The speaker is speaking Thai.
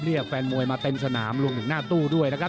แฟนมวยมาเต็มสนามรวมถึงหน้าตู้ด้วยนะครับ